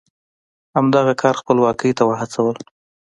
همدغه کار خپلواکۍ ته وهڅول.